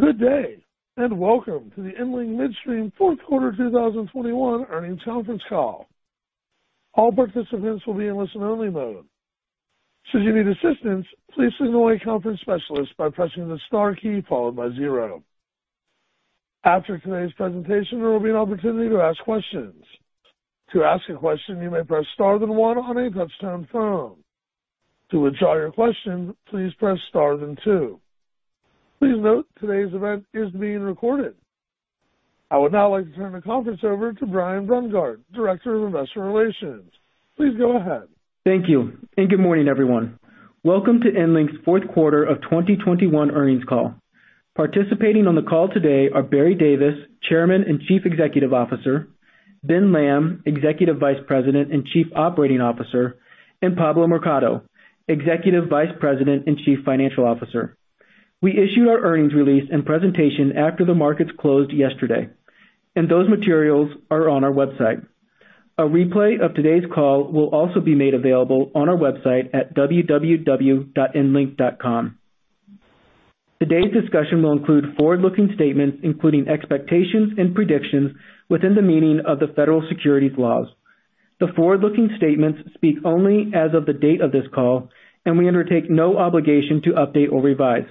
Good day, and welcome to the EnLink Midstream fourth quarter 2021 earnings conference call. All participants will be in listen-only mode. Should you need assistance, please signal a conference specialist by pressing the star key followed by zero. After today's presentation, there will be an opportunity to ask questions. To ask a question, you may press star then one on a touch-tone phone. To withdraw your question, please press star then two. Please note today's event is being recorded. I would now like to turn the conference over to Brian Brungardt, Director of Investor Relations. Please go ahead. Thank you, and good morning, everyone. Welcome to EnLink's fourth quarter of 2021 earnings call. Participating on the call today are Barry Davis, Chairman and Chief Executive Officer, Ben Lamb, Executive Vice President and Chief Operating Officer, and Pablo Mercado, Executive Vice President and Chief Financial Officer. We issued our earnings release and presentation after the markets closed yesterday, and those materials are on our website. A replay of today's call will also be made available on our website at www.enlink.com. Today's discussion will include forward-looking statements, including expectations and predictions within the meaning of the federal securities laws. The forward-looking statements speak only as of the date of this call, and we undertake no obligation to update or revise.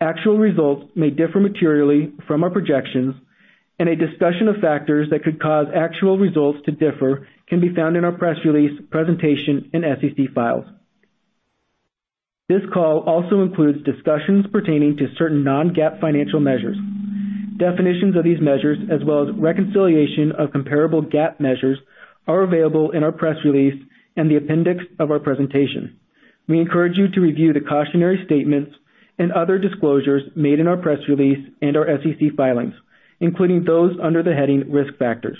Actual results may differ materially from our projections, and a discussion of factors that could cause actual results to differ can be found in our press release, presentation, and SEC filings. This call also includes discussions pertaining to certain non-GAAP financial measures. Definitions of these measures, as well as reconciliation of comparable GAAP measures, are available in our press release and the appendix of our presentation. We encourage you to review the cautionary statements and other disclosures made in our press release and our SEC filings, including those under the heading Risk Factors.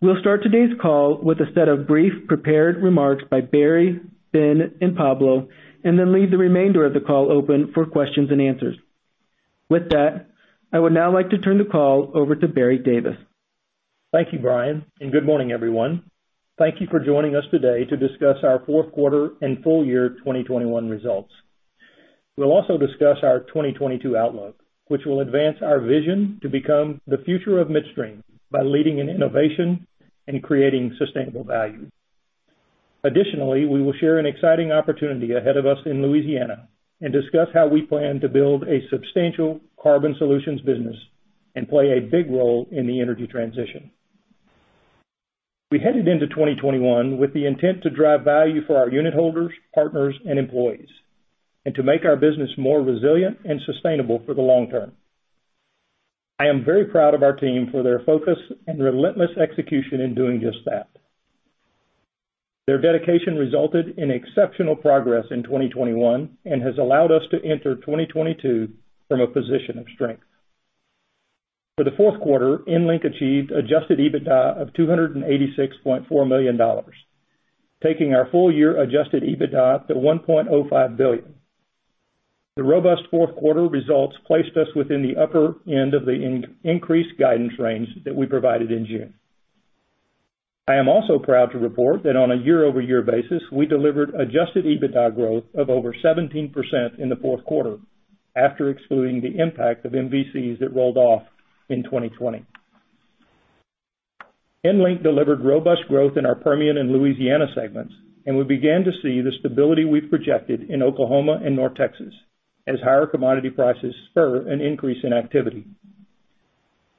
We'll start today's call with a set of brief prepared remarks by Barry, Ben, and Pablo, and then leave the remainder of the call open for questions and answers. With that, I would now like to turn the call over to Barry Davis. Thank you, Brian, and good morning, everyone. Thank you for joining us today to discuss our fourth quarter and full year 2021 results. We'll also discuss our 2022 outlook, which will advance our vision to become the future of midstream by leading in innovation and creating sustainable value. Additionally, we will share an exciting opportunity ahead of us in Louisiana and discuss how we plan to build a substantial carbon solutions business and play a big role in the energy transition. We headed into 2021 with the intent to drive value for our unit holders, partners, and employees, and to make our business more resilient and sustainable for the long term. I am very proud of our team for their focus and relentless execution in doing just that. Their dedication resulted in exceptional progress in 2021 and has allowed us to enter 2022 from a position of strength. For the fourth quarter, EnLink achieved adjusted EBITDA of $286.4 million, taking our full year adjusted EBITDA to $1.05 billion. The robust fourth quarter results placed us within the upper end of the increased guidance range that we provided in June. I am also proud to report that on a year-over-year basis, we delivered adjusted EBITDA growth of over 17% in the fourth quarter after excluding the impact of MVCs that rolled off in 2020. EnLink delivered robust growth in our Permian and Louisiana segments, and we began to see the stability we've projected in Oklahoma and North Texas as higher commodity prices spur an increase in activity.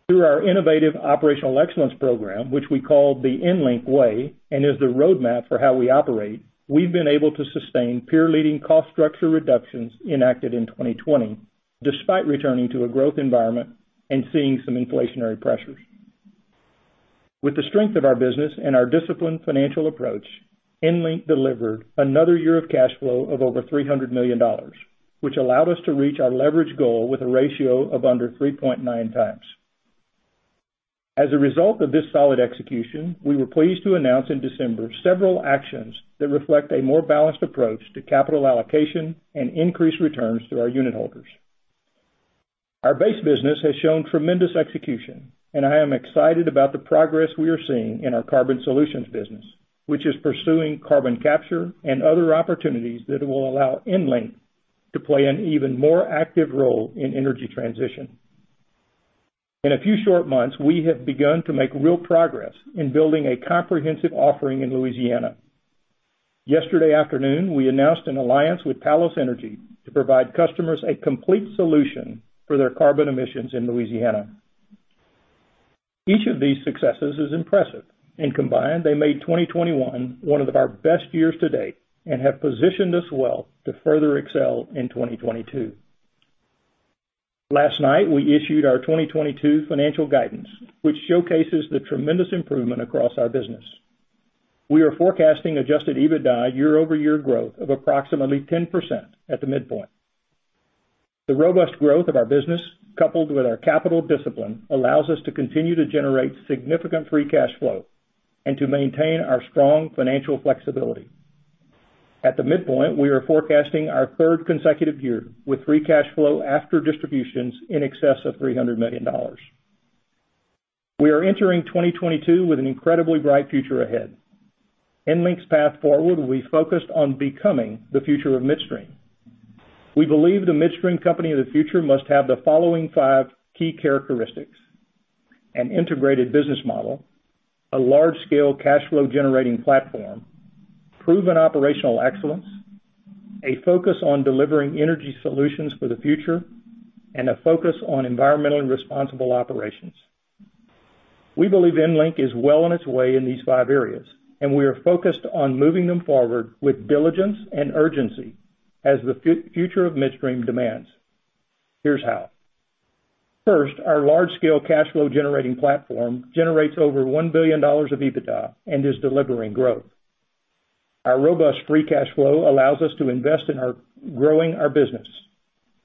Through our innovative operational excellence program, which we call the EnLink Way, and is the roadmap for how we operate, we've been able to sustain peer-leading cost structure reductions enacted in 2020 despite returning to a growth environment and seeing some inflationary pressures. With the strength of our business and our disciplined financial approach, EnLink delivered another year of cash flow of over $300 million, which allowed us to reach our leverage goal with a ratio of under 3.9x. As a result of this solid execution, we were pleased to announce in December several actions that reflect a more balanced approach to capital allocation and increased returns to our unit holders. Our base business has shown tremendous execution, and I am excited about the progress we are seeing in our carbon solutions business, which is pursuing carbon capture and other opportunities that will allow EnLink to play an even more active role in energy transition. In a few short months, we have begun to make real progress in building a comprehensive offering in Louisiana. Yesterday afternoon, we announced an alliance with Talos Energy to provide customers a complete solution for their carbon emissions in Louisiana. Each of these successes is impressive, and combined, they made 2021 one of our best years to date and have positioned us well to further excel in 2022. Last night, we issued our 2022 financial guidance, which showcases the tremendous improvement across our business. We are forecasting adjusted EBITDA year-over-year growth of approximately 10% at the midpoint. The robust growth of our business, coupled with our capital discipline, allows us to continue to generate significant free cash flow and to maintain our strong financial flexibility. At the midpoint, we are forecasting our third consecutive year with free cash flow after distributions in excess of $300 million. We are entering 2022 with an incredibly bright future ahead. EnLink's path forward will be focused on becoming the future of midstream. We believe the midstream company of the future must have the following five key characteristics, an integrated business model, a large-scale cash flow generating platform, proven operational excellence, a focus on delivering energy solutions for the future, and a focus on environmentally responsible operations. We believe EnLink is well on its way in these five areas, and we are focused on moving them forward with diligence and urgency as the future of midstream demands. Here's how. First, our large scale cash flow generating platform generates over $1 billion of EBITDA and is delivering growth. Our robust free cash flow allows us to invest in growing our business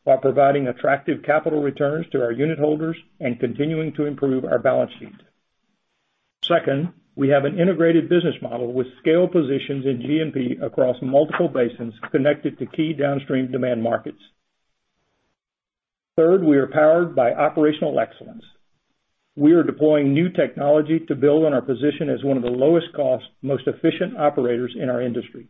while providing attractive capital returns to our unit holders and continuing to improve our balance sheet. Second, we have an integrated business model with scale positions in G&P across multiple basins connected to key downstream demand markets. Third, we are powered by operational excellence. We are deploying new technology to build on our position as one of the lowest cost, most efficient operators in our industry.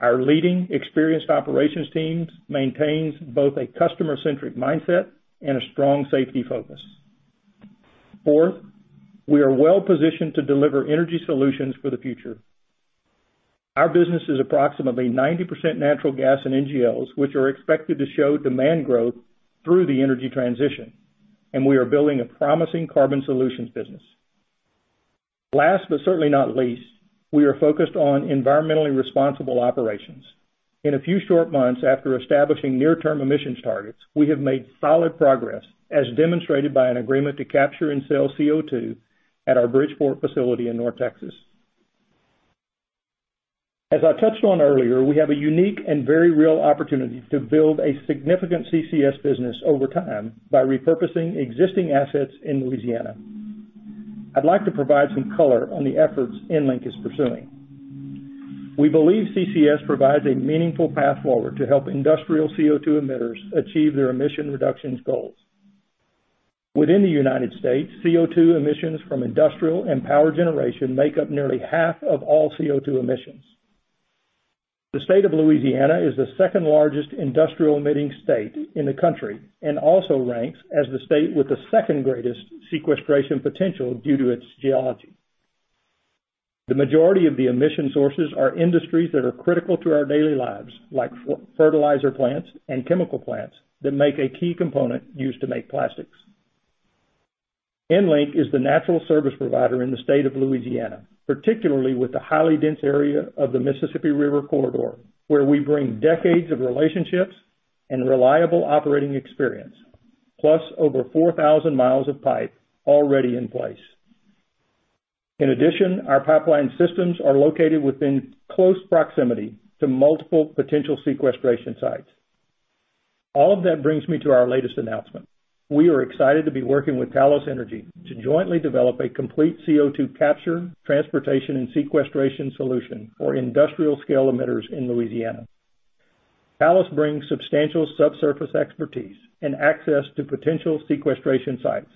Our leading experienced operations teams maintains both a customer-centric mindset and a strong safety focus. Fourth, we are well-positioned to deliver energy solutions for the future. Our business is approximately 90% natural gas and NGLs, which are expected to show demand growth through the energy transition, and we are building a promising carbon solutions business. Last, but certainly not least, we are focused on environmentally responsible operations. In a few short months after establishing near term emissions targets, we have made solid progress as demonstrated by an agreement to capture and sell CO2 at our Bridgeport facility in North Texas. As I touched on earlier, we have a unique and very real opportunity to build a significant CCS business over time by repurposing existing assets in Louisiana. I'd like to provide some color on the efforts EnLink is pursuing. We believe CCS provides a meaningful path forward to help industrial CO2 emitters achieve their emission reductions goals. Within the United States, CO2 emissions from industrial and power generation make up nearly half of all CO2 emissions. The state of Louisiana is the second-largest industrial emitting state in the country and also ranks as the state with the second greatest sequestration potential due to its geology. The majority of the emission sources are industries that are critical to our daily lives, like fertilizer plants and chemical plants that make a key component used to make plastics. EnLink is the natural service provider in the state of Louisiana, particularly with the highly dense area of the Mississippi River Corridor, where we bring decades of relationships and reliable operating experience, plus over 4,000 mi of pipe already in place. In addition, our pipeline systems are located within close proximity to multiple potential sequestration sites. All of that brings me to our latest announcement. We are excited to be working with Talos Energy to jointly develop a complete CO2 capture, transportation, and sequestration solution for industrial scale emitters in Louisiana. Talos brings substantial subsurface expertise and access to potential sequestration sites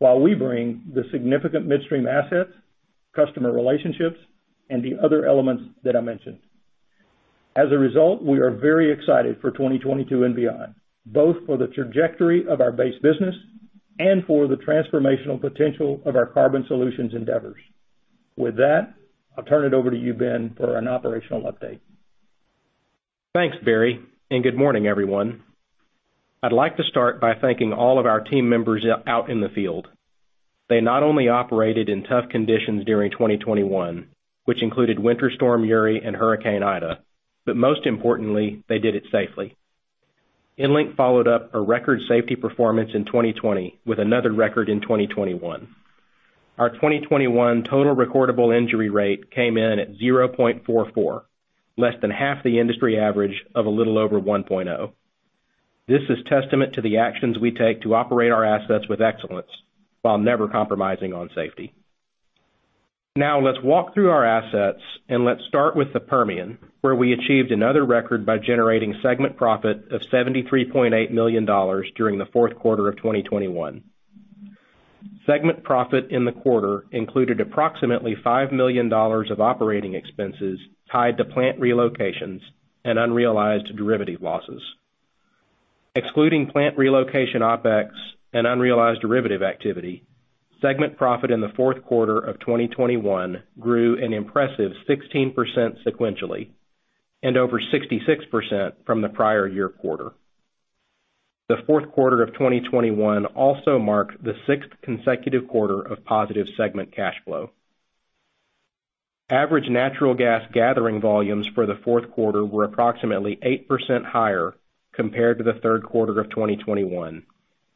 while we bring the significant midstream assets, customer relationships, and the other elements that I mentioned. As a result, we are very excited for 2022 and beyond, both for the trajectory of our base business and for the transformational potential of our carbon solutions endeavors. With that, I'll turn it over to you, Ben, for an operational update. Thanks, Barry, and good morning, everyone. I'd like to start by thanking all of our team members out in the field. They not only operated in tough conditions during 2021, which included Winter Storm Uri and Hurricane Ida, but most importantly, they did it safely. EnLink followed up a record safety performance in 2020 with another record in 2021. Our 2021 total recordable injury rate came in at 0.44, less than half the industry average of a little over 1.0. This is testament to the actions we take to operate our assets with excellence while never compromising on safety. Now let's walk through our assets and let's start with the Permian, where we achieved another record by generating segment profit of $73.8 million during the fourth quarter of 2021. Segment profit in the quarter included approximately $5 million of operating expenses tied to plant relocations and unrealized derivative losses. Excluding plant relocation OpEx and unrealized derivative activity, segment profit in the fourth quarter of 2021 grew an impressive 16% sequentially and over 66% from the prior year quarter. The fourth quarter of 2021 also marked the sixth consecutive quarter of positive segment cash flow. Average natural gas gathering volumes for the fourth quarter were approximately 8% higher compared to the third quarter of 2021,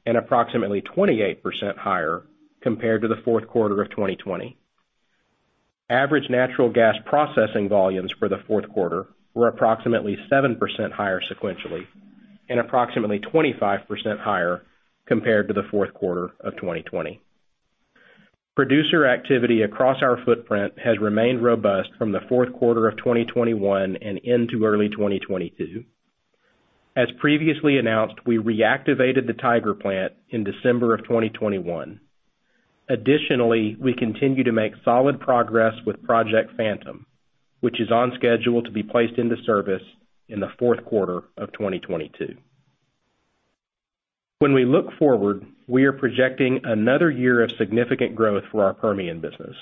and approximately 28% higher compared to the fourth quarter of 2020. Average natural gas processing volumes for the fourth quarter were approximately 7% higher sequentially and approximately 25% higher compared to the fourth quarter of 2020. Producer activity across our footprint has remained robust from the fourth quarter of 2021 and into early 2022. As previously announced, we reactivated the Tiger plant in December of 2021. Additionally, we continue to make solid progress with Project Phantom, which is on schedule to be placed into service in the fourth quarter of 2022. When we look forward, we are projecting another year of significant growth for our Permian business.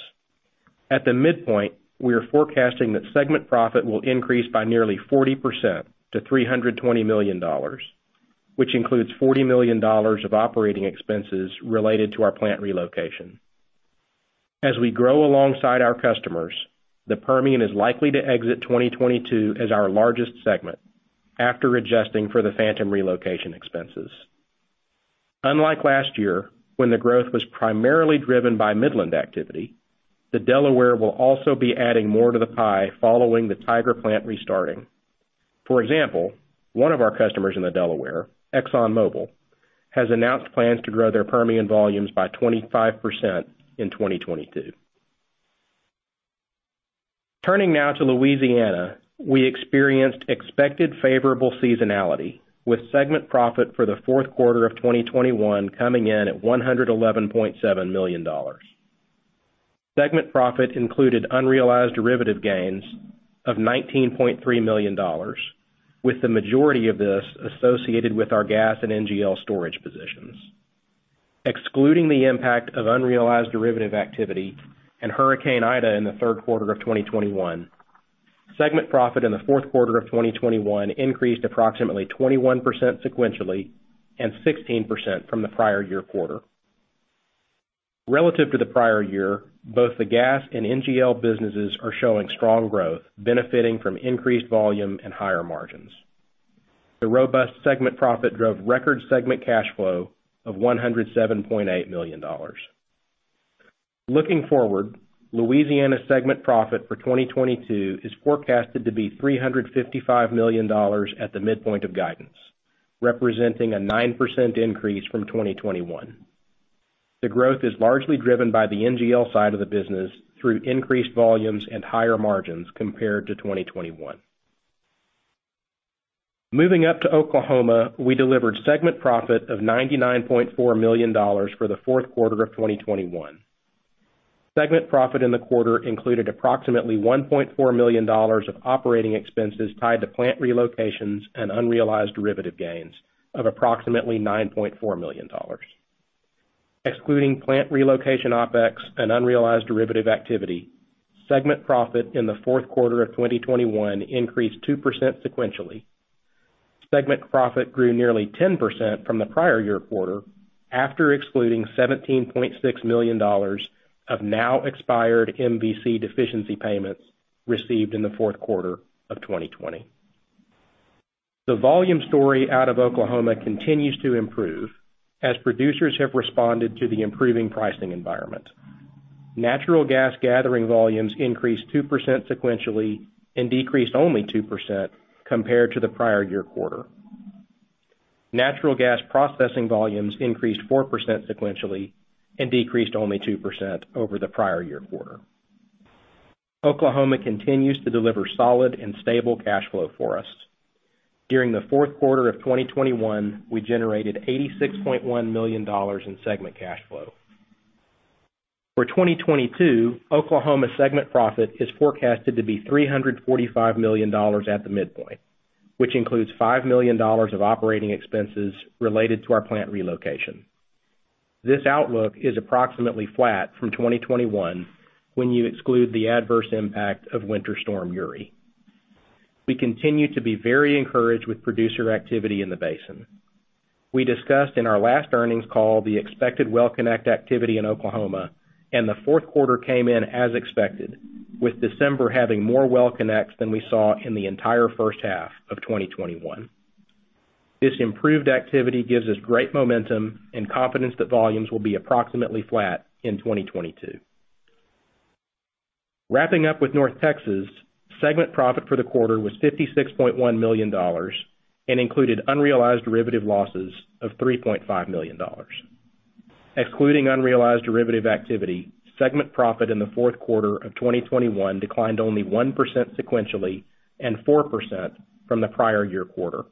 At the midpoint, we are forecasting that segment profit will increase by nearly 40% to $320 million, which includes $40 million of operating expenses related to our plant relocation. As we grow alongside our customers, the Permian is likely to exit 2022 as our largest segment after adjusting for the Phantom relocation expenses. Unlike last year, when the growth was primarily driven by Midland activity, the Delaware will also be adding more to the pie following the Tiger plant restarting. For example, one of our customers in the Delaware, ExxonMobil, has announced plans to grow their Permian volumes by 25% in 2022. Turning now to Louisiana. We experienced expected favorable seasonality, with segment profit for the fourth quarter of 2021 coming in at $111.7 million. Segment profit included unrealized derivative gains of $19.3 million, with the majority of this associated with our gas and NGL storage positions. Excluding the impact of unrealized derivative activity and Hurricane Ida in the third quarter of 2021, segment profit in the fourth quarter of 2021 increased approximately 21% sequentially and 16% from the prior year quarter. Relative to the prior year, both the gas and NGL businesses are showing strong growth, benefiting from increased volume and higher margins. The robust segment profit drove record segment cash flow of $107.8 million. Looking forward, Louisiana segment profit for 2022 is forecasted to be $355 million at the midpoint of guidance, representing a 9% increase from 2021. The growth is largely driven by the NGL side of the business through increased volumes and higher margins compared to 2021. Moving up to Oklahoma, we delivered segment profit of $99.4 million for the fourth quarter of 2021. Segment profit in the quarter included approximately $1.4 million of operating expenses tied to plant relocations and unrealized derivative gains of approximately $9.4 million. Excluding plant relocation OpEx and unrealized derivative activity, segment profit in the fourth quarter of 2021 increased 2% sequentially. Segment profit grew nearly 10% from the prior year quarter, after excluding $17.6 million of now expired MVC deficiency payments received in the fourth quarter of 2020. The volume story out of Oklahoma continues to improve as producers have responded to the improving pricing environment. Natural gas gathering volumes increased 2% sequentially and decreased only 2% compared to the prior year quarter. Natural gas processing volumes increased 4% sequentially and decreased only 2% over the prior year quarter. Oklahoma continues to deliver solid and stable cash flow for us. During the fourth quarter of 2021, we generated $86.1 million in segment cash flow. For 2022, Oklahoma segment profit is forecasted to be $345 million at the midpoint, which includes $5 million of operating expenses related to our plant relocation. This outlook is approximately flat from 2021 when you exclude the adverse impact of Winter Storm Uri. We continue to be very encouraged with producer activity in the basin. We discussed in our last earnings call the expected well connect activity in Oklahoma, and the fourth quarter came in as expected, with December having more well connects than we saw in the entire first half of 2021. This improved activity gives us great momentum and confidence that volumes will be approximately flat in 2022. Wrapping up with North Texas, segment profit for the quarter was $56.1 million and included unrealized derivative losses of $3.5 million. Excluding unrealized derivative activity, segment profit in the fourth quarter of 2021 declined only 1% sequentially and 4% from the prior year quarter.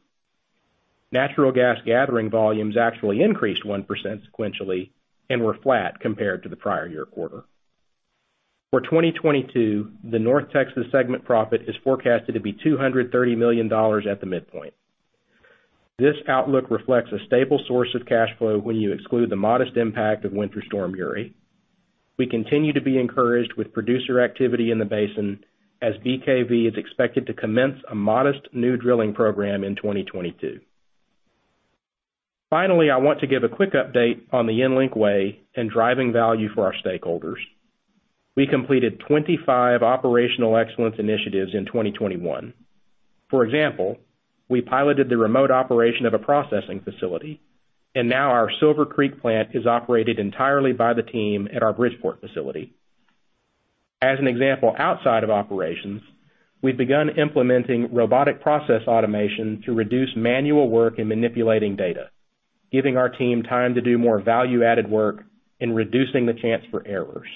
Natural gas gathering volumes actually increased 1% sequentially and were flat compared to the prior year quarter. For 2022, the North Texas segment profit is forecasted to be $230 million at the midpoint. This outlook reflects a stable source of cash flow when you exclude the modest impact of Winter Storm Uri. We continue to be encouraged with producer activity in the basin as BKV is expected to commence a modest new drilling program in 2022. Finally, I want to give a quick update on the EnLink Way and driving value for our stakeholders. We completed 25 operational excellence initiatives in 2021. For example, we piloted the remote operation of a processing facility, and now our Silver Creek plant is operated entirely by the team at our Bridgeport facility. As an example outside of operations, we've begun implementing robotic process automation to reduce manual work in manipulating data, giving our team time to do more value-added work and reducing the chance for errors.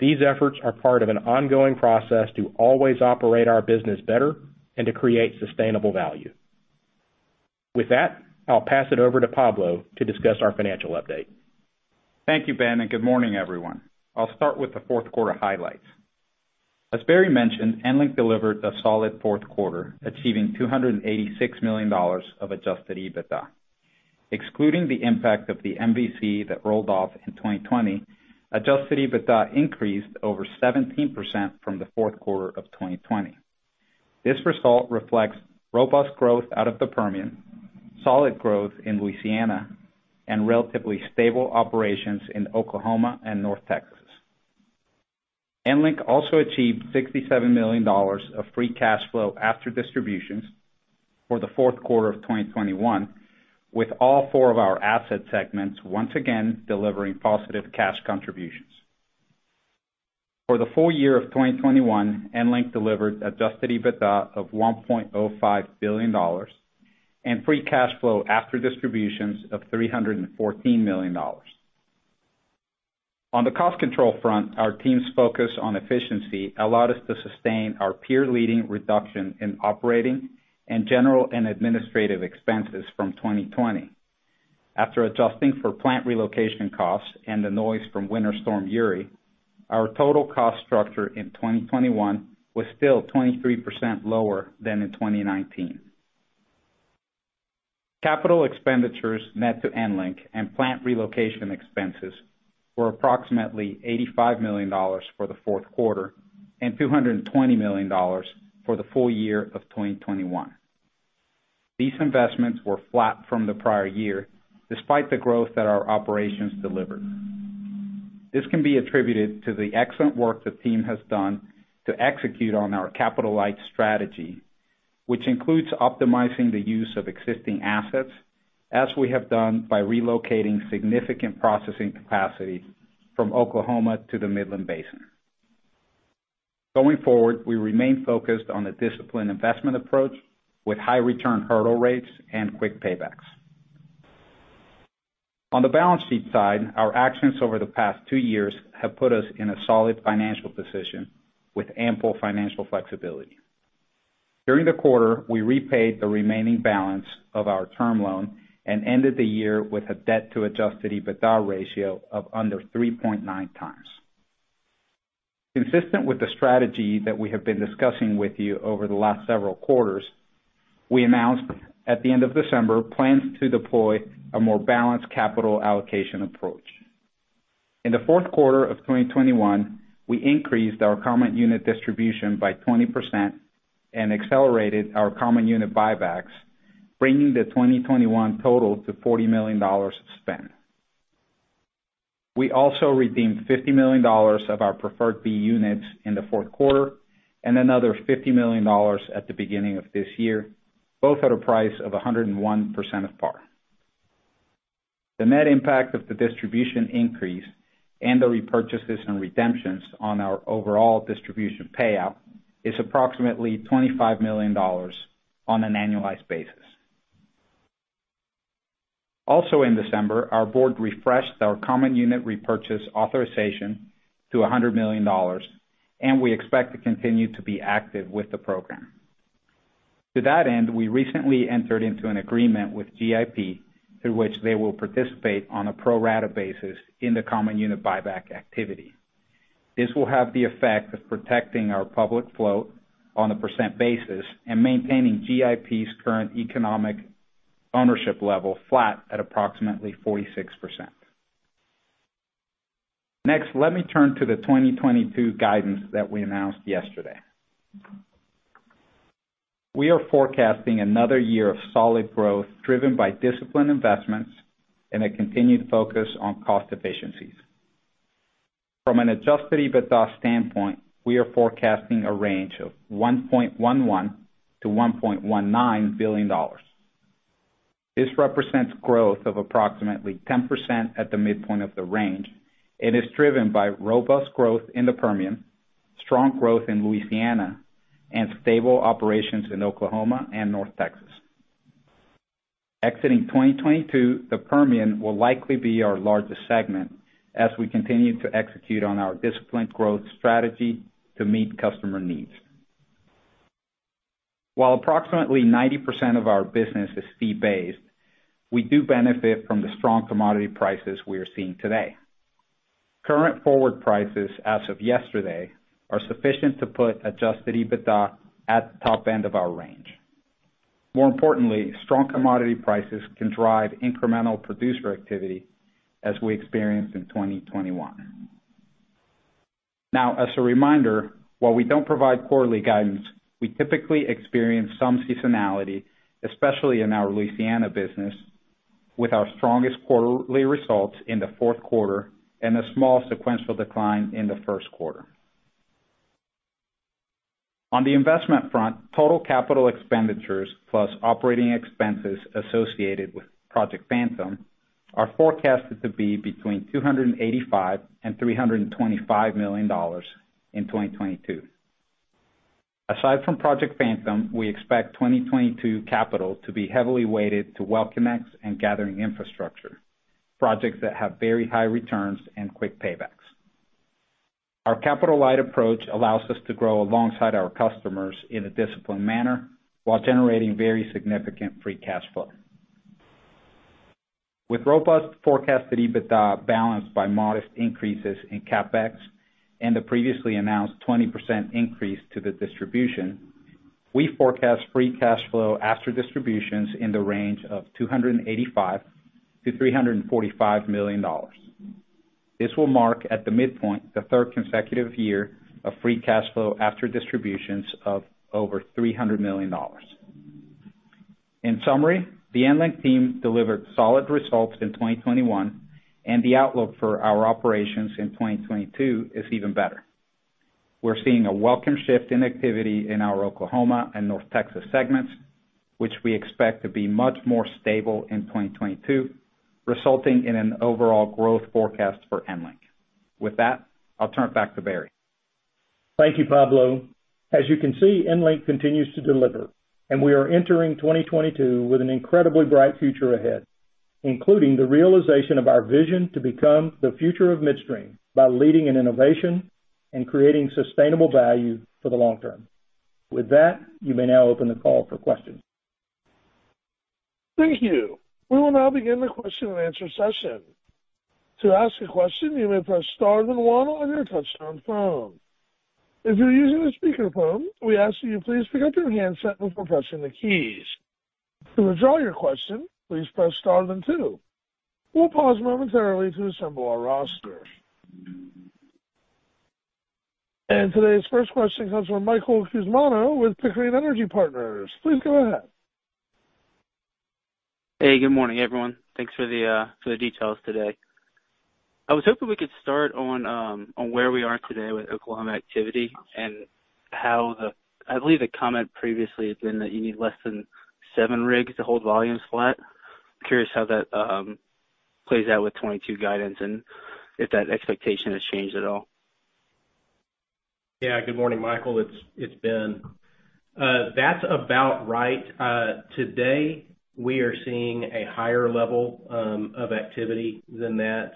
These efforts are part of an ongoing process to always operate our business better and to create sustainable value. With that, I'll pass it over to Pablo to discuss our financial update. Thank you, Ben, and good morning, everyone. I'll start with the fourth quarter highlights. As Barry mentioned, EnLink delivered a solid fourth quarter, achieving $286 million of adjusted EBITDA. Excluding the impact of the MVC that rolled off in 2020, adjusted EBITDA increased over 17% from the fourth quarter of 2020. This result reflects robust growth out of the Permian, solid growth in Louisiana, and relatively stable operations in Oklahoma and North Texas. EnLink also achieved $67 million of free cash flow after distributions for the fourth quarter of 2021, with all four of our asset segments once again delivering positive cash contributions. For the full year of 2021, EnLink delivered adjusted EBITDA of $1.05 billion and free cash flow after distributions of $314 million. On the cost control front, our team's focus on efficiency allowed us to sustain our peer-leading reduction in operating and general and administrative expenses from 2020. After adjusting for plant relocation costs and the noise from Winter Storm Uri, our total cost structure in 2021 was still 23% lower than in 2019. Capital expenditures net to EnLink and plant relocation expenses were approximately $85 million for the fourth quarter and $220 million for the full year of 2021. These investments were flat from the prior year, despite the growth that our operations delivered. This can be attributed to the excellent work the team has done to execute on our capital-light strategy, which includes optimizing the use of existing assets as we have done by relocating significant processing capacity from Oklahoma to the Midland Basin. Going forward, we remain focused on a disciplined investment approach with high return hurdle rates and quick paybacks. On the balance sheet side, our actions over the past two years have put us in a solid financial position with ample financial flexibility. During the quarter, we repaid the remaining balance of our term loan and ended the year with a debt to adjusted EBITDA ratio of under 3.9x. Consistent with the strategy that we have been discussing with you over the last several quarters, we announced at the end of December plans to deploy a more balanced capital allocation approach. In the fourth quarter of 2021, we increased our common unit distribution by 20% and accelerated our common unit buybacks, bringing the 2021 total to $40 million spent. We also redeemed $50 million of our preferred B units in the fourth quarter and another $50 million at the beginning of this year, both at a price of 101% of par. The net impact of the distribution increase and the repurchases and redemptions on our overall distribution payout is approximately $25 million on an annualized basis. Also in December, our board refreshed our common unit repurchase authorization to $100 million, and we expect to continue to be active with the program. To that end, we recently entered into an agreement with GIP, through which they will participate on a pro rata basis in the common unit buyback activity. This will have the effect of protecting our public float on a percent basis and maintaining GIP's current economic ownership level flat at approximately 46%. Next, let me turn to the 2022 guidance that we announced yesterday. We are forecasting another year of solid growth driven by disciplined investments and a continued focus on cost efficiencies. From an adjusted EBITDA standpoint, we are forecasting a range of $1.11 billion-$1.19 billion. This represents growth of approximately 10% at the midpoint of the range. It is driven by robust growth in the Permian, strong growth in Louisiana, and stable operations in Oklahoma and North Texas. Exiting 2022, the Permian will likely be our largest segment as we continue to execute on our disciplined growth strategy to meet customer needs. While approximately 90% of our business is fee-based, we do benefit from the strong commodity prices we are seeing today. Current forward prices as of yesterday are sufficient to put adjusted EBITDA at the top end of our range. More importantly, strong commodity prices can drive incremental producer activity as we experienced in 2021. Now, as a reminder, while we don't provide quarterly guidance, we typically experience some seasonality, especially in our Louisiana business, with our strongest quarterly results in the fourth quarter and a small sequential decline in the first quarter. On the investment front, total capital expenditures plus operating expenses associated with Project Phantom are forecasted to be between $285 million and $325 million in 2022. Aside from Project Phantom, we expect 2022 capital to be heavily weighted to well connects and gathering infrastructure, projects that have very high returns and quick paybacks. Our capital-light approach allows us to grow alongside our customers in a disciplined manner while generating very significant free cash flow. With robust forecasted EBITDA balanced by modest increases in CapEx and the previously announced 20% increase to the distribution, we forecast free cash flow after distributions in the range of $285 million-$345 million. This will mark, at the midpoint, the third consecutive year of free cash flow after distributions of over $300 million. In summary, the EnLink team delivered solid results in 2021, and the outlook for our operations in 2022 is even better. We're seeing a welcome shift in activity in our Oklahoma and North Texas segments, which we expect to be much more stable in 2022, resulting in an overall growth forecast for EnLink. With that, I'll turn it back to Barry. Thank you, Pablo. As you can see, EnLink continues to deliver, and we are entering 2022 with an incredibly bright future ahead, including the realization of our vision to become the future of midstream by leading in innovation and creating sustainable value for the long term. With that, you may now open the call for questions. Thank you. We will now begin the question and answer session. To ask a question, you may press star then one on your touchtone phone. If you're using a speakerphone, we ask that you please pick up your handset before pressing the keys. To withdraw your question, please press star then two. We'll pause momentarily to assemble our roster. Today's first question comes from Michael Cusimano with Pickering Energy Partners. Please go ahead. Hey, good morning, everyone. Thanks for the details today. I was hoping we could start on where we are today with Oklahoma activity and how I believe the comment previously had been that you need less than seven rigs to hold volumes flat. I'm curious how that plays out with 2022 guidance and if that expectation has changed at all. Yeah. Good morning, Michael. It's Ben. That's about right. Today we are seeing a higher level of activity than that.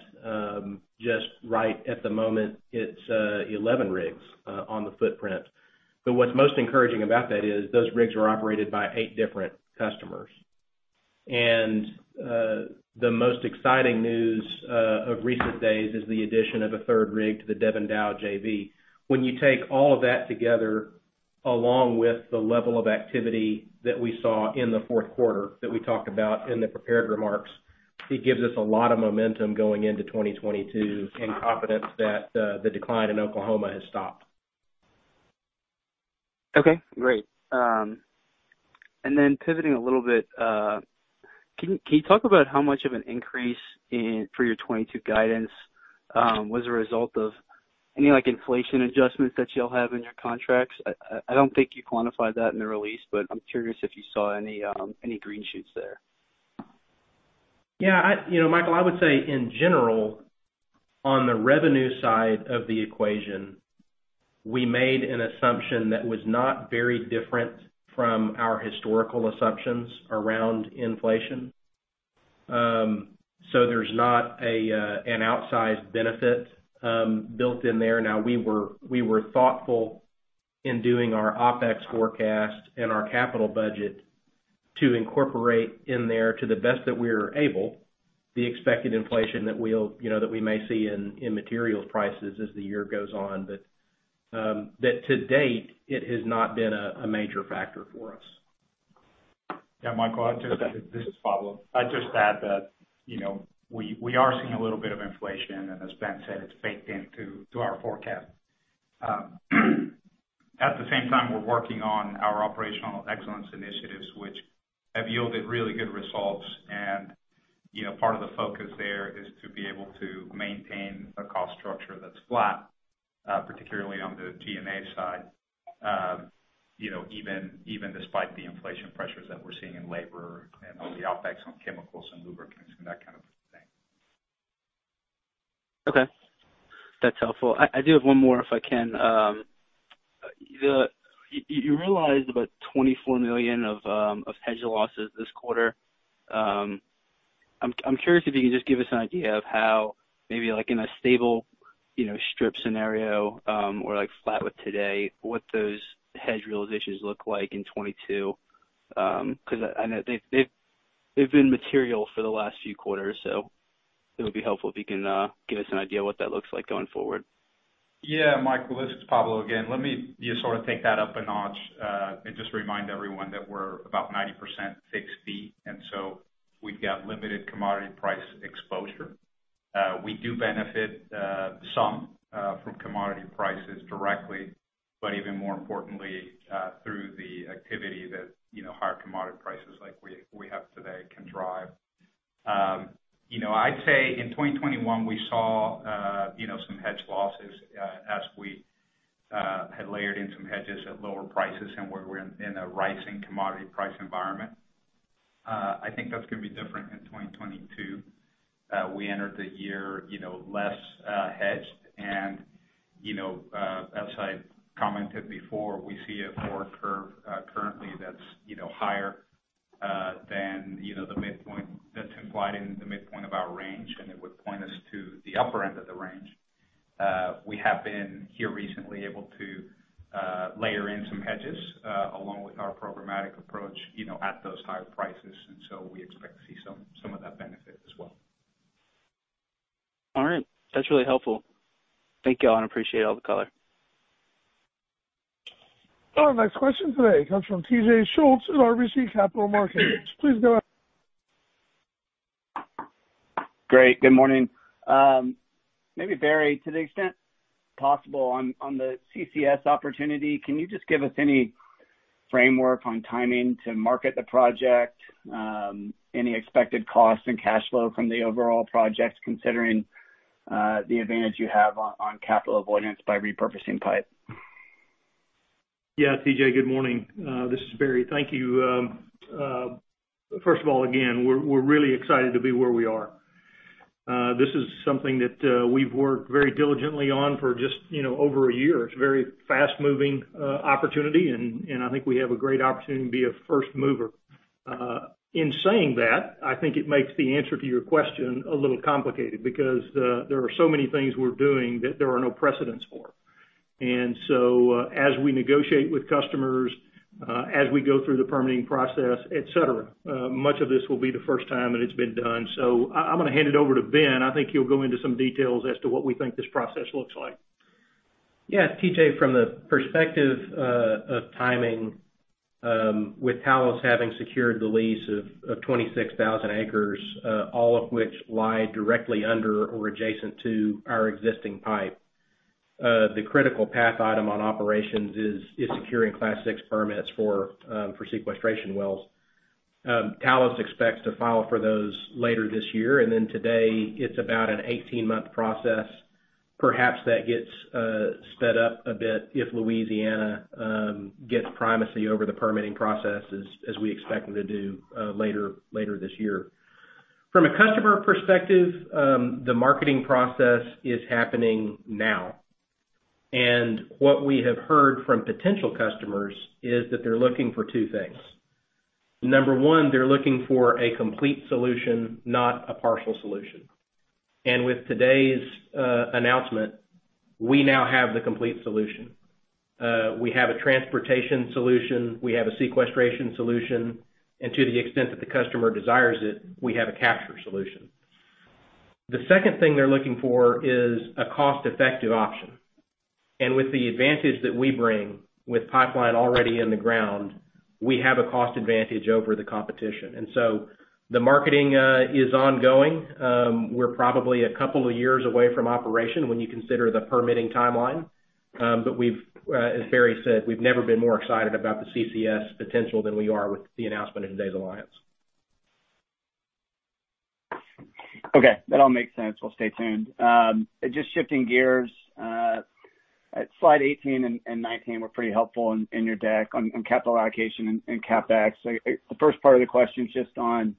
Just right at the moment, it's 11 rigs on the footprint. What's most encouraging about that is those rigs are operated by eight different customers. The most exciting news of recent days is the addition of a third rig to the Devon-Dow JV. When you take all of that together, along with the level of activity that we saw in the fourth quarter that we talked about in the prepared remarks, it gives us a lot of momentum going into 2022 and confidence that the decline in Oklahoma has stopped. Okay, great. Pivoting a little bit, can you talk about how much of an increase for your 2022 guidance was a result of any, like, inflation adjustments that y'all have in your contracts? I don't think you quantified that in the release, but I'm curious if you saw any green shoots there. Yeah, you know, Michael, I would say in general, on the revenue side of the equation, we made an assumption that was not very different from our historical assumptions around inflation. There's not an outsized benefit built in there. Now, we were thoughtful in doing our OpEx forecast and our capital budget to incorporate in there, to the best that we're able, the expected inflation that we'll see in material prices as the year goes on. That, to date, it has not been a major factor for us. Yeah, Michael, I'd just add that. This is Pablo. I'd just add that, you know, we are seeing a little bit of inflation, and as Ben said, it's baked into our forecast. At the same time, we're working on our operational excellence initiatives, which have yielded really good results. You know, part of the focus there is to be able to maintain a cost structure that's flat, particularly on the G&A side, you know, even despite the inflation pressures that we're seeing in labor and on the OpEx on chemicals and lubricants and that kind of thing. Okay. That's helpful. I do have one more, if I can. You realized about $24 million of hedge losses this quarter. I'm curious if you can just give us an idea of how maybe like in a stable, you know, strip scenario, or like flat with today, what those hedge realizations look like in 2022. 'Cause I know they've been material for the last few quarters, so it would be helpful if you can give us an idea what that looks like going forward. Yeah, Michael, this is Pablo again. Let me just sort of take that up a notch and just remind everyone that we're about 90% fixed fee, and so we've got limited commodity price exposure. We do benefit some from commodity prices directly, but even more importantly, through the activity that, you know, higher commodity prices like we have today can drive. You know, I'd say in 2021, we saw some hedge losses as we had layered in some hedges at lower prices and where we're in a rising commodity price environment. I think that's gonna be different in 2022. We entered the year, you know, less hedged and, you know, as I commented before, we see a forward curve currently that's, you know, higher than you know the midpoint that's implied in the midpoint of our range, and it would point us to the upper end of the range. We have been here recently able to layer in some hedges along with our programmatic approach, you know, at those higher prices, and so we expect to see some of that benefit as well. All right. That's really helpful. Thank you all, and appreciate all the color. Our next question today comes from T.J. Schultz of RBC Capital Markets. Please go ahead. Great. Good morning. Maybe Barry, to the extent possible on the CCS opportunity, can you just give us any framework on timing to market the project? Any expected cost and cash flow from the overall projects considering the advantage you have on capital avoidance by repurposing pipe? Yeah, T.J., good morning. This is Barry. Thank you. First of all, again, we're really excited to be where we are. This is something that we've worked very diligently on for just, you know, over a year. It's a very fast-moving opportunity, and I think we have a great opportunity to be a first mover. In saying that, I think it makes the answer to your question a little complicated because there are so many things we're doing that there are no precedents for. As we negotiate with customers, as we go through the permitting process, et cetera, much of this will be the first time that it's been done. I'm gonna hand it over to Ben. I think he'll go into some details as to what we think this process looks like. Yeah, T.J., from the perspective of timing, with Talos having secured the lease of 26,000 acres, all of which lie directly under or adjacent to our existing pipe, the critical path item on operations is securing Class VI permits for sequestration wells. Talos expects to file for those later this year, and then today it's about an 18-month process. Perhaps that gets sped up a bit if Louisiana gets primacy over the permitting process as we expect them to do, later this year. From a customer perspective, the marketing process is happening now. What we have heard from potential customers is that they're looking for two things. Number one, they're looking for a complete solution, not a partial solution. With today's announcement, we now have the complete solution. We have a transportation solution, we have a sequestration solution, and to the extent that the customer desires it, we have a capture solution. The second thing they're looking for is a cost-effective option. With the advantage that we bring with pipeline already in the ground, we have a cost advantage over the competition. The marketing is ongoing. We're probably a couple of years away from operation when you consider the permitting timeline. As Barry said, we've never been more excited about the CCS potential than we are with the announcement in today's alliance. Okay. That all makes sense. We'll stay tuned. Just shifting gears, slide 18 and 19 were pretty helpful in your deck on capital allocation and CapEx. The first part of the question is just on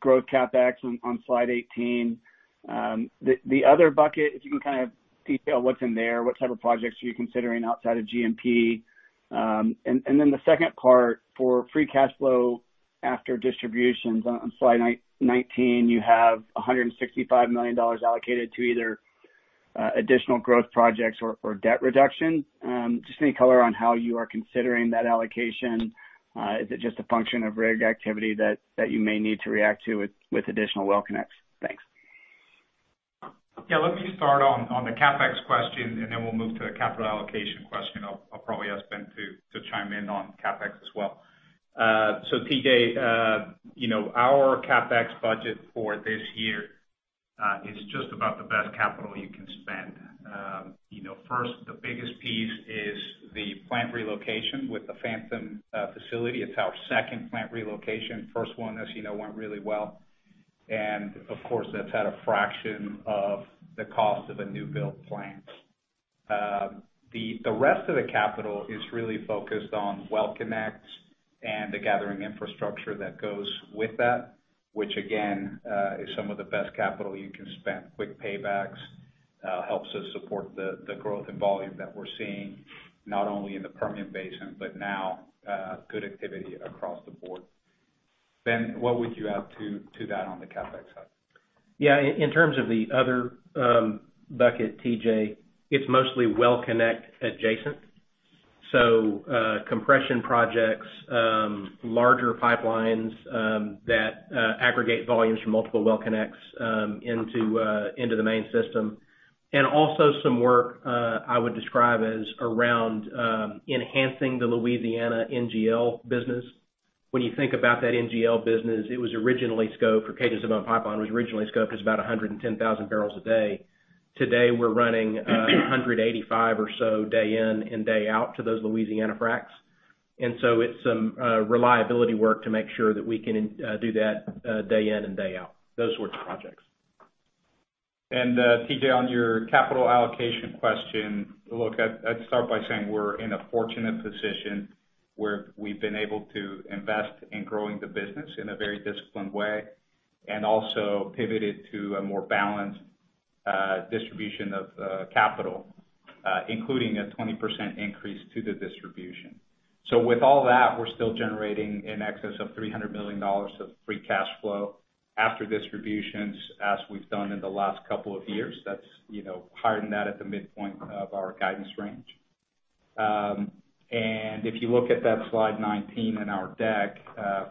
growth CapEx on slide 18. The other bucket, if you can kind of detail what's in there, what type of projects are you considering outside of G&P? Then the second part for free cash flow after distributions on slide 19, you have $165 million allocated to either additional growth projects or debt reduction. Just any color on how you are considering that allocation. Is it just a function of rig activity that you may need to react to with additional well connects? Thanks. Yeah, let me start on the CapEx question, and then we'll move to the capital allocation question. I'll probably ask Ben to chime in on CapEx as well. T.J., you know, our CapEx budget for this year is just about the best capital you can spend. You know, first, the biggest piece is the plant relocation with the Phantom facility. It's our second plant relocation. First one, as you know, went really well. Of course, that's at a fraction of the cost of a new build plant. The rest of the capital is really focused on well connects and the gathering infrastructure that goes with that, which again is some of the best capital you can spend. Quick paybacks helps us support the growth and volume that we're seeing, not only in the Permian Basin, but now good activity across the board. Ben, what would you add to that on the CapEx side? Yeah. In terms of the other bucket, T.J., it's mostly well connect adjacent. Compression projects, larger pipelines, that aggregate volumes from multiple well connects, into the main system. Also some work I would describe as around enhancing the Louisiana NGL business. When you think about that NGL business, it was originally scoped, or Cajun-Sibon pipeline was originally scoped as about 110,000 bpd. Today, we're running 185 or so a day in and day out to those Louisiana fracs. It's some reliability work to make sure that we can do that day in and day out, those sorts of projects. T.J., on your capital allocation question, look, I'd start by saying we're in a fortunate position where we've been able to invest in growing the business in a very disciplined way and also pivoted to a more balanced distribution of capital, including a 20% increase to the distribution. With all that, we're still generating in excess of $300 million of free cash flow after distributions, as we've done in the last couple of years. That's, you know, higher than that at the midpoint of our guidance range. If you look at that slide 19 in our deck,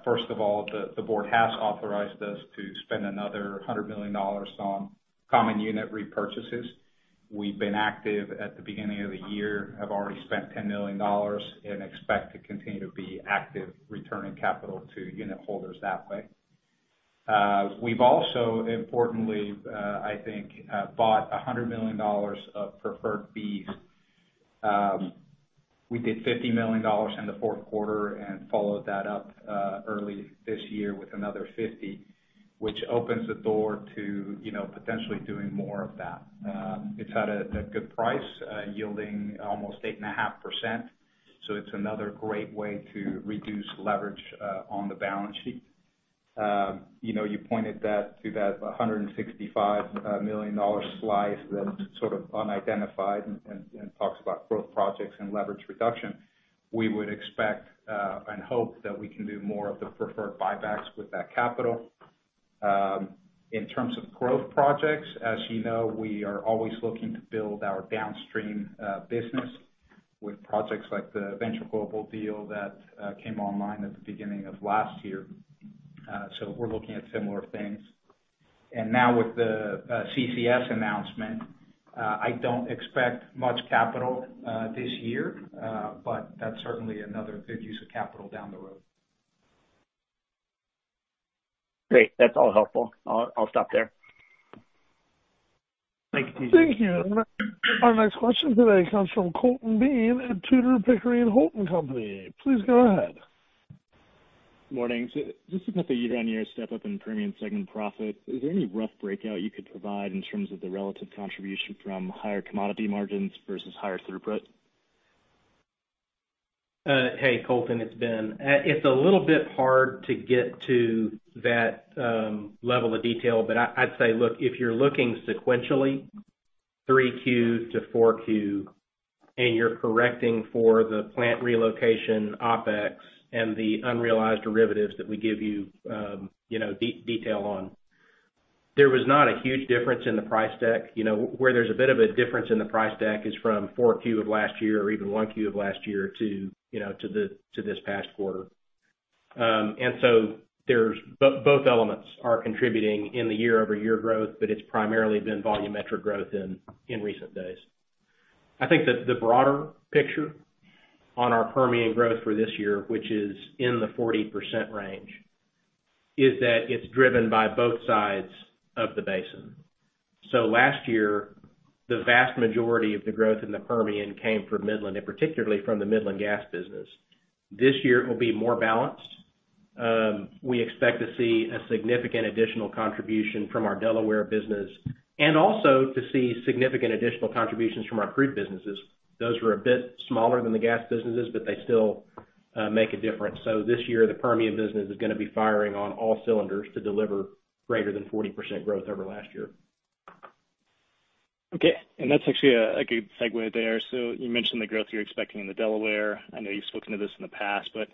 first of all, the board has authorized us to spend another $100 million on common unit repurchases. We've been active at the beginning of the year, have already spent $10 million and expect to continue to be active returning capital to unit holders that way. We've also importantly, I think, bought $100 million of preferred Bs. We did $50 million in the fourth quarter and followed that up early this year with another $50 million, which opens the door to, you know, potentially doing more of that. It's at a good price, yielding almost 8.5%. It's another great way to reduce leverage on the balance sheet. You know, you pointed to that $165 million slide that's sort of unidentified and talks about growth projects and leverage reduction. We would expect and hope that we can do more of the preferred buybacks with that capital. In terms of growth projects, as you know, we are always looking to build our downstream business with projects like the Venture Global deal that came online at the beginning of last year. We're looking at similar things. Now with the CCS announcement, I don't expect much capital this year, but that's certainly another good use of capital down the road. Great. That's all helpful. I'll stop there. Thank you, T.J. Thank you. Our next question today comes from Colton Bean at Tudor, Pickering, Holt & Co. Please go ahead. Morning. Just to put the year-over-year step up in premium segment profits, is there any rough breakout you could provide in terms of the relative contribution from higher commodity margins versus higher throughput? Hey, Colton, it's Ben. It's a little bit hard to get to that level of detail, but I'd say, look, if you're looking sequentially 3Qs to 4Q, and you're correcting for the plant relocation OpEx and the unrealized derivatives that we give you know, detail on, there was not a huge difference in the price deck. You know, where there's a bit of a difference in the price deck is from 4Q of last year or even 1Q of last year to, you know, to this past quarter. There's both elements are contributing in the year-over-year growth, but it's primarily been volumetric growth in recent days. I think that the broader picture on our Permian growth for this year, which is in the 40% range, is that it's driven by both sides of the basin. Last year, the vast majority of the growth in the Permian came from Midland, and particularly from the Midland gas business. This year it will be more balanced. We expect to see a significant additional contribution from our Delaware business and also to see significant additional contributions from our crude businesses. Those were a bit smaller than the gas businesses, but they still make a difference. This year, the Permian business is gonna be firing on all cylinders to deliver greater than 40% growth over last year. Okay. That's actually a good segue there. You mentioned the growth you're expecting in the Delaware. I know you've spoken to this in the past, but,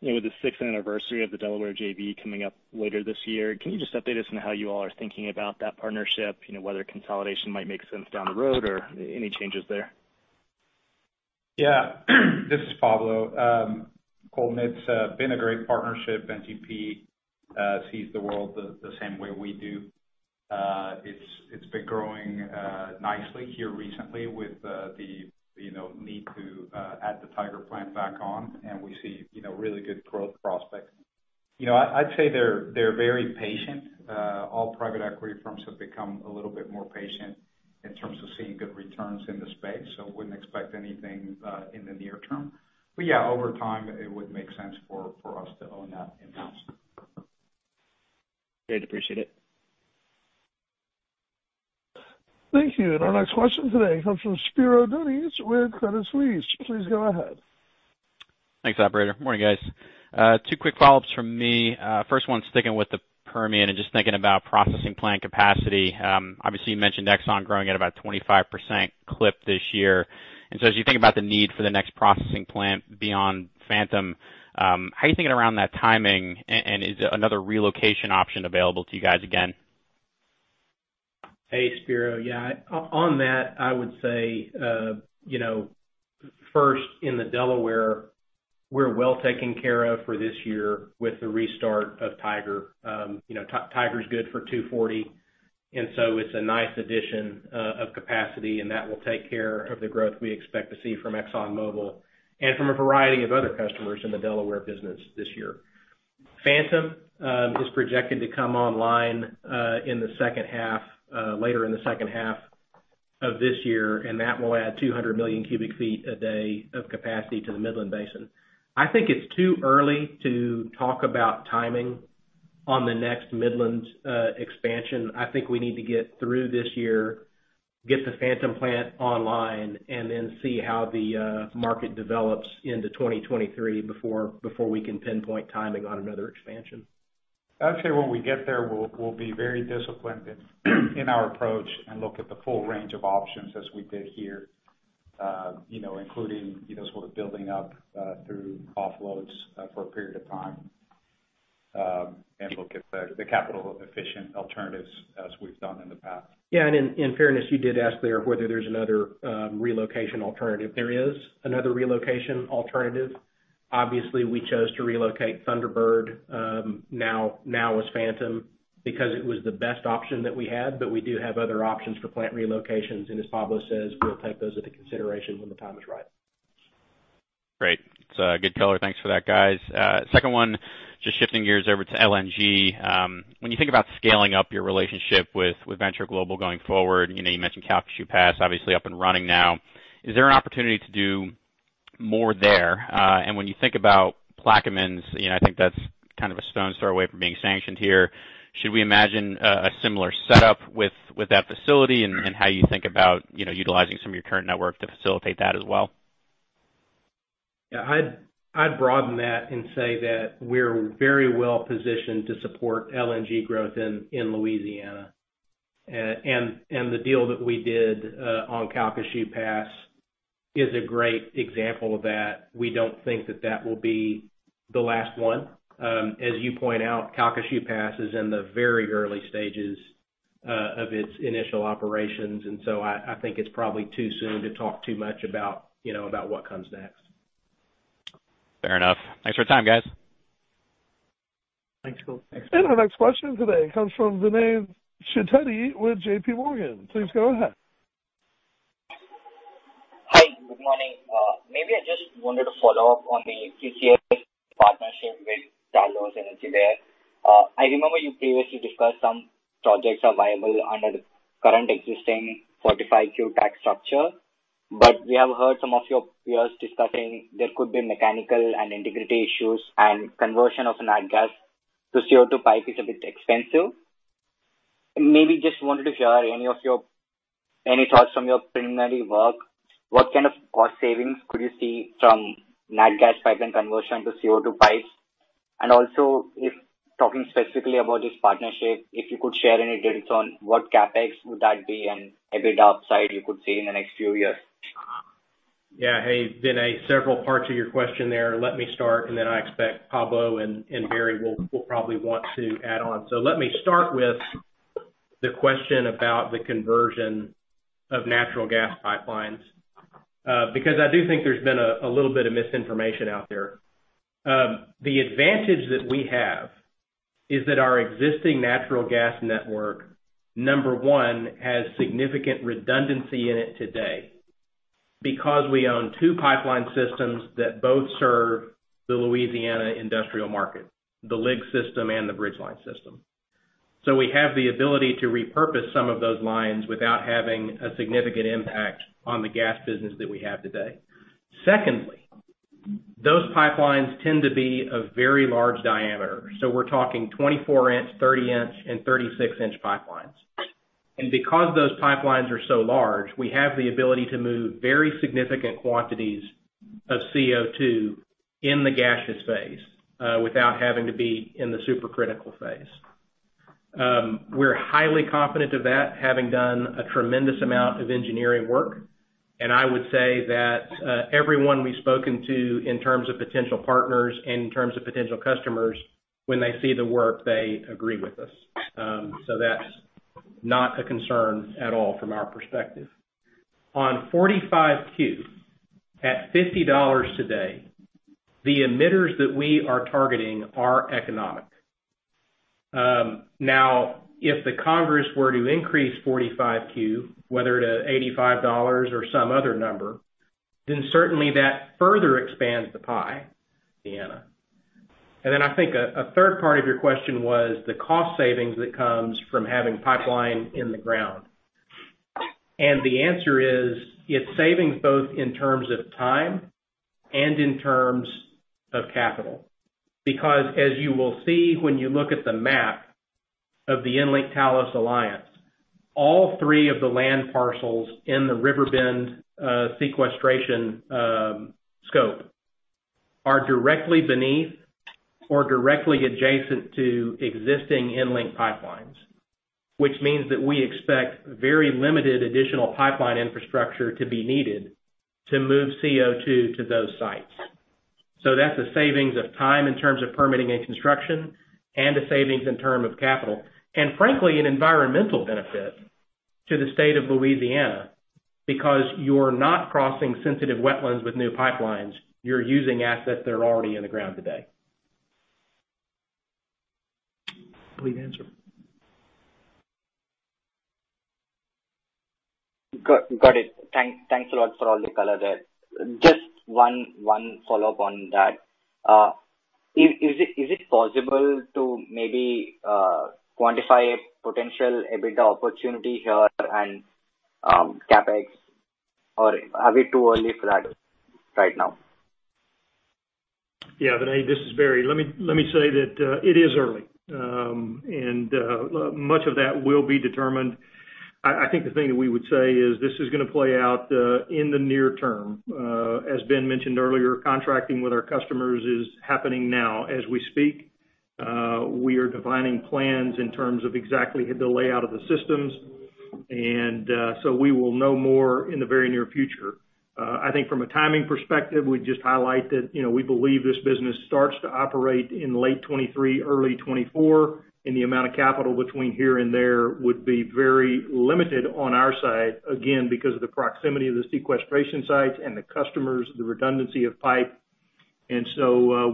you know, with the sixth anniversary of the Delaware JV coming up later this year, can you just update us on how you all are thinking about that partnership? You know, whether consolidation might make sense down the road or any changes there? Yeah. This is Pablo. Colton, it's been a great partnership. GIP sees the world the same way we do. It's been growing nicely here recently with the you know need to add the Tiger plant back on, and we see you know really good growth prospects. You know, I'd say they're very patient. All private equity firms have become a little bit more patient in terms of seeing good returns in the space, so wouldn't expect anything in the near term. Yeah, over time, it would make sense for us to own that in-house. Great. Appreciate it. Thank you. Our next question today comes from Spiro Dounis with Credit Suisse. Please go ahead. Thanks, operator. Morning, guys. Two quick follow-ups from me. First one sticking with the Permian and just thinking about processing plant capacity. Obviously, you mentioned Exxon growing at about 25% clip this year. As you think about the need for the next processing plant beyond Phantom, how are you thinking around that timing? And is another relocation option available to you guys again? Hey, Spiro. Yeah. On that, I would say, you know, first, in the Delaware, we're well taken care of for this year with the restart of Tiger. You know, Tiger's good for 240, and so it's a nice addition of capacity, and that will take care of the growth we expect to see from ExxonMobil and from a variety of other customers in the Delaware business this year. Phantom is projected to come online in the second half, later in the second half. Of this year, and that will add 200,000,000 cu ft a day of capacity to the Midland Basin. I think it's too early to talk about timing on the next Midland expansion. I think we need to get through this year, get the Phantom plant online, and then see how the market develops into 2023 before we can pinpoint timing on another expansion. Actually when we get there, we'll be very disciplined in our approach and look at the full range of options as we did here. You know, including, you know, sort of building up through offloads for a period of time, and look at the capital efficient alternatives as we've done in the past. Yeah, in fairness, you did ask there whether there's another relocation alternative. There is another relocation alternative. Obviously, we chose to relocate Thunderbird now as Phantom because it was the best option that we had. We do have other options for plant relocations, and as Pablo says, we'll take those into consideration when the time is right. Great. It's good color. Thanks for that, guys. Second one, just shifting gears over to LNG. When you think about scaling up your relationship with Venture Global going forward, you know, you mentioned Calcasieu Pass obviously up and running now. Is there an opportunity to do more there? When you think about Plaquemines, you know, I think that's kind of a stone's throw away from being sanctioned here. Should we imagine a similar setup with that facility and how you think about, you know, utilizing some of your current network to facilitate that as well? Yeah. I'd broaden that and say that we're very well positioned to support LNG growth in Louisiana. The deal that we did on Calcasieu Pass is a great example of that. We don't think that will be the last one. As you point out, Calcasieu Pass is in the very early stages of its initial operations, and I think it's probably too soon to talk too much about, you know, about what comes next. Fair enough. Thanks for your time, guys. Thanks, Colton. Thanks. Our next question today comes from Vinay Chitteti with JPMorgan. Please go ahead. Good morning. Maybe I just wanted to follow up on the CCS partnership with Talos Energy there. I remember you previously discussed some projects are viable under the current existing 45Q tax structure. We have heard some of your peers discussing there could be mechanical and integrity issues and conversion of nat gas to CO2 pipe is a bit expensive. Maybe just wanted to hear any thoughts from your preliminary work. What kind of cost savings could you see from nat gas pipeline conversion to CO2 pipes? Also, if talking specifically about this partnership, if you could share any details on what CapEx would that be and EBITDA upside you could see in the next few years? Yeah. Hey, Vinay. Several parts of your question there. Let me start, and then I expect Pablo and Barry will probably want to add on. Let me start with the question about the conversion of natural gas pipelines because I do think there's been a little bit of misinformation out there. The advantage that we have is that our existing natural gas network, number one, has significant redundancy in it today because we own two pipeline systems that both serve the Louisiana industrial market, the LIG system and the Bridgeline system. We have the ability to repurpose some of those lines without having a significant impact on the gas business that we have today. Secondly, those pipelines tend to be a very large diameter, so we're talking 24 in, 30 in, and 36 in pipelines. Because those pipelines are so large, we have the ability to move very significant quantities of CO2 in the gaseous phase without having to be in the supercritical phase. We're highly confident of that, having done a tremendous amount of engineering work. I would say that everyone we've spoken to in terms of potential partners, in terms of potential customers, when they see the work, they agree with us. That's not a concern at all from our perspective. On 45Q, at $50 today, the emitters that we are targeting are economic. Now, if the Congress were to increase 45Q, whether to $85 or some other number, then certainly that further expands the pie. Then I think a third part of your question was the cost savings that comes from having pipeline in the ground. The answer is, it's savings both in terms of time and in terms of capital. Because as you will see when you look at the map of the EnLink Talos Alliance, all three of the land parcels in the Riverbend sequestration scope are directly beneath or directly adjacent to existing EnLink pipelines, which means that we expect very limited additional pipeline infrastructure to be needed to move CO2 to those sites. That's a savings of time in terms of permitting and construction and a savings in term of capital. Frankly, an environmental benefit to the state of Louisiana because you're not crossing sensitive wetlands with new pipelines. You're using assets that are already in the ground today. Complete answer. Got it. Thanks a lot for all the color there. Just one follow-up on that. Is it possible to maybe quantify potential EBITDA opportunity here and CapEx? Or are we too early for that right now? Yeah, Vinay, this is Barry. Let me say that it is early. Much of that will be determined. I think the thing that we would say is this is gonna play out in the near term. As Ben mentioned earlier, contracting with our customers is happening now. As we speak, we are defining plans in terms of exactly the layout of the systems. We will know more in the very near future. I think from a timing perspective, we just highlight that, you know, we believe this business starts to operate in late 2023, early 2024, and the amount of capital between here and there would be very limited on our side, again, because of the proximity of the sequestration sites and the customers, the redundancy of pipe.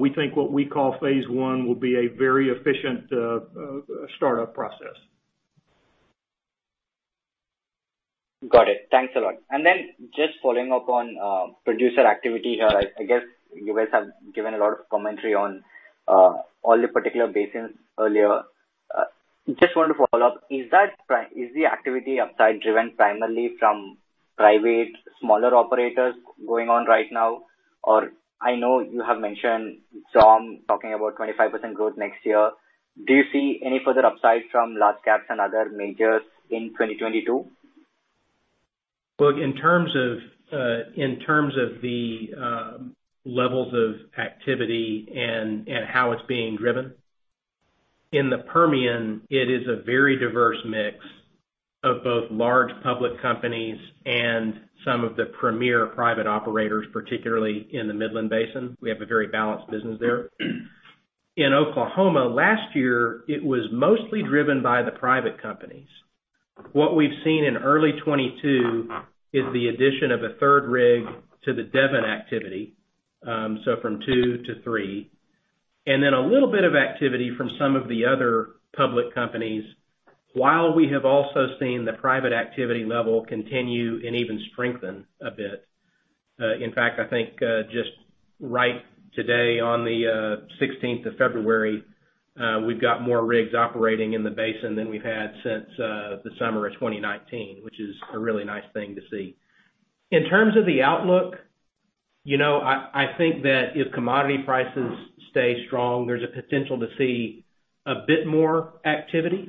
We think what we call phase one will be a very efficient startup process. Got it. Thanks a lot. Then just following up on producer activity here. I guess you guys have given a lot of commentary on all the particular basins earlier. Just want to follow up. Is the activity upside driven primarily from private, smaller operators going on right now? Or I know you have mentioned Tom talking about 25% growth next year. Do you see any further upside from large caps and other majors in 2022? Look, in terms of the levels of activity and how it's being driven, in the Permian, it is a very diverse mix of both large public companies and some of the premier private operators, particularly in the Midland Basin. We have a very balanced business there. In Oklahoma, last year, it was mostly driven by the private companies. What we've seen in early 2022 is the addition of a third rig to the Devon activity, so from two to three. A little bit of activity from some of the other public companies, while we have also seen the private activity level continue and even strengthen a bit. In fact, I think just right today on the 16th February, we've got more rigs operating in the basin than we've had since the summer of 2019, which is a really nice thing to see. In terms of the outlook, you know, I think that if commodity prices stay strong, there's a potential to see a bit more activity.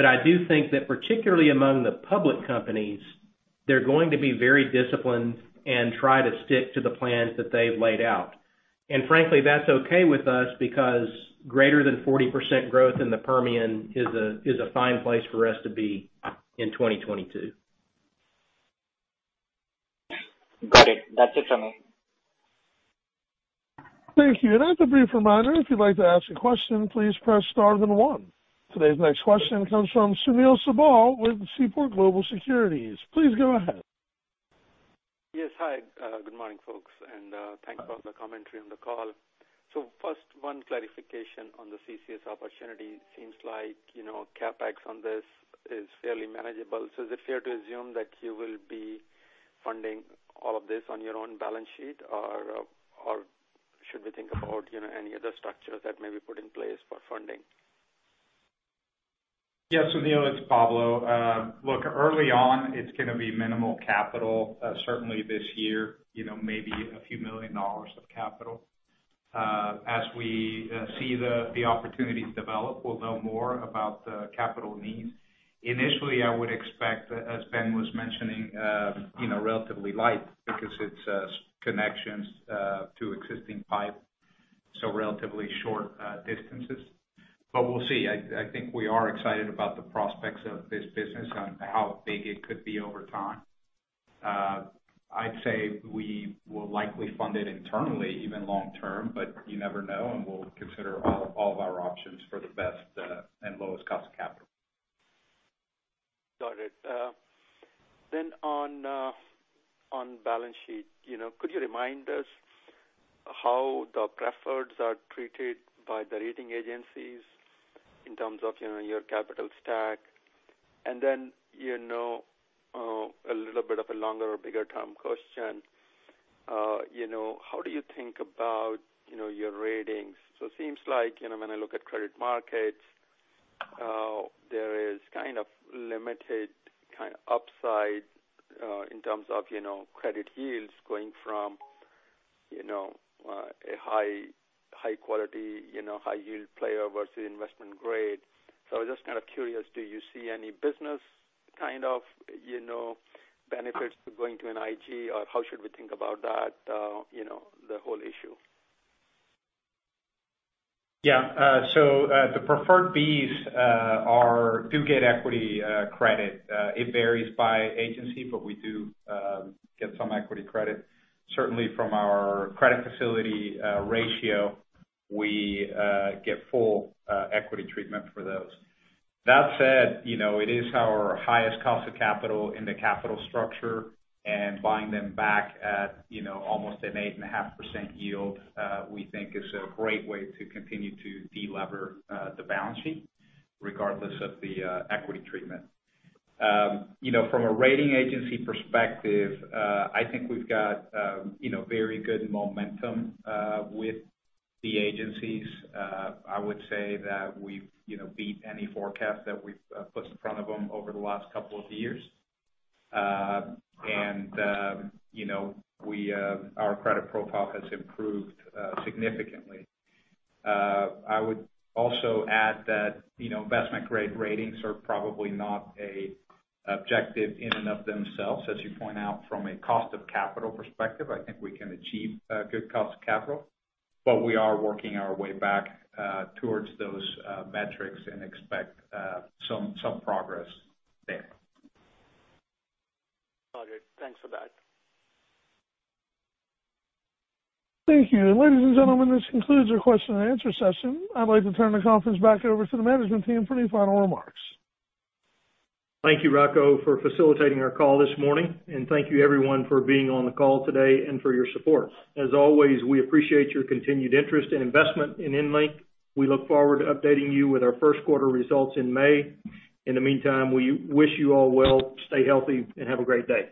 I do think that particularly among the public companies, they're going to be very disciplined and try to stick to the plans that they've laid out. Frankly, that's okay with us because greater than 40% growth in the Permian is a fine place for us to be in 2022. Got it. That's it from me. Thank you. As a brief reminder, if you'd like to ask a question, please press star then one. Today's next question comes from Sunil Sibal with Seaport Global Securities. Please go ahead. Yes. Hi, good morning, folks. Thanks for all the commentary on the call. First, one clarification on the CCS opportunity. Seems like, you know, CapEx on this is fairly manageable. Is it fair to assume that you will be funding all of this on your own balance sheet or should we think about, you know, any other structures that may be put in place for funding? Yeah, Sunil, it's Pablo. Look, early on, it's gonna be minimal capital, certainly this year, you know, maybe a few million dollars of capital. As we see the opportunities develop, we'll know more about the capital needs. Initially, I would expect, as Ben was mentioning, you know, relatively light because it's connections to existing pipe, so relatively short distances. But we'll see. I think we are excited about the prospects of this business on how big it could be over time. I'd say we will likely fund it internally, even long term, but you never know, and we'll consider all of our options for the best and lowest cost of capital. Got it. Then on balance sheet, you know, could you remind us how the preferreds are treated by the rating agencies in terms of, you know, your capital stack? You know, a little bit of a longer or bigger term question. You know, how do you think about, you know, your ratings? Seems like, you know, when I look at credit markets, there is kind of limited upside, in terms of, you know, credit yields going from, you know, a high quality, you know, high yield player versus investment grade. I'm just kind of curious, do you see any business kind of, you know, benefits to going to an IG, or how should we think about that, you know, the whole issue? Yeah. The preferred Bs do get equity credit. It varies by agency, but we do get some equity credit. Certainly from our credit facility ratio, we get full equity treatment for those. That said, you know, it is our highest cost of capital in the capital structure, and buying them back at, you know, almost an 8.5% yield, we think is a great way to continue to delever the balance sheet regardless of the equity treatment. You know, from a rating agency perspective, I think we've got very good momentum with the agencies. I would say that we've beat any forecast that we've put in front of them over the last couple of years. You know, our credit profile has improved significantly. I would also add that, you know, investment-grade ratings are probably not an objective in and of themselves, as you point out from a cost of capital perspective. I think we can achieve good cost of capital. We are working our way back towards those metrics and expect some progress there. Got it. Thanks for that. Thank you. Ladies and gentlemen, this concludes our question and answer session. I'd like to turn the conference back over to the management team for any final remarks. Thank you, Rocco, for facilitating our call this morning. Thank you everyone for being on the call today and for your support. As always, we appreciate your continued interest and investment in EnLink. We look forward to updating you with our first quarter results in May. In the meantime, we wish you all well, stay healthy, and have a great day.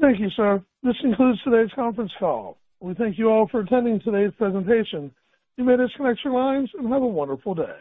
Thank you, sir. This concludes today's conference call. We thank you all for attending today's presentation. You may disconnect your lines and have a wonderful day.